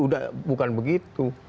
udah bukan begitu